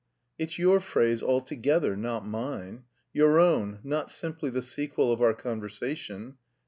"It's your phrase altogether, not mine. Your own, not simply the sequel of our conversation.